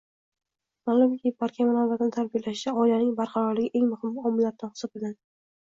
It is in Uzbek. Malumki, barkamol avlodni tarbiyalashda oilaning barqarorligi eng muhim omillardan hisoblanadi